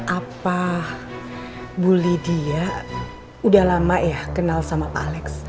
apa bu lydia udah lama ya kenal sama alex